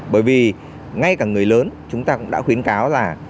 bởi vì ngay cả người lớn chúng ta cũng đã khuyến cáo là